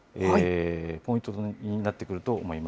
ポイントになってくると思います。